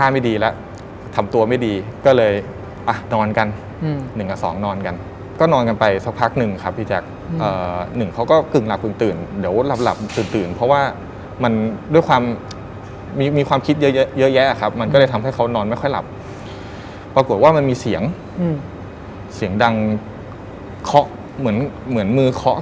ไม่ดีแล้วทำตัวไม่ดีก็เลยอ่ะนอนกันหนึ่งกับสองนอนกันก็นอนกันไปสักพักหนึ่งครับพี่แจ๊คหนึ่งเขาก็กึ่งหลับกึ่งตื่นเดี๋ยวหลับตื่นตื่นเพราะว่ามันด้วยความมีความคิดเยอะเยอะแยะครับมันก็เลยทำให้เขานอนไม่ค่อยหลับปรากฏว่ามันมีเสียงเสียงดังเคาะเหมือนเหมือนมือเคาะ